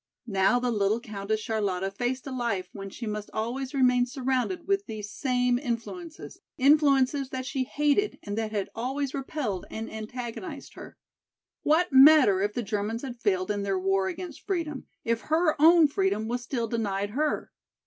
Now the little Countess Charlotta faced a life when she must always remain surrounded with these same influences; influences that she hated and that had always repelled and antagonized her. What matter if the Germans had failed in their war against freedom, if her own freedom was still denied her?